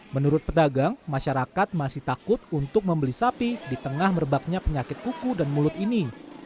menurut pedagang masyarakat masih takut untuk membeli sapi di tengah merebaknya penyakit kuku dan mulut ini